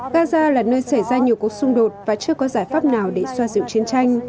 gaza là nơi xảy ra nhiều cuộc xung đột và chưa có giải pháp nào để xoa dịu chiến tranh